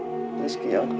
dan rizki yang berkah